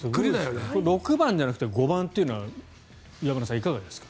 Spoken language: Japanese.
６番じゃなくて５番というのは岩村さん、いかがですか。